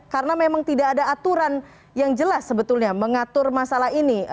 karena memang tidak ada aturan yang jelas sebetulnya mengatur masalah ini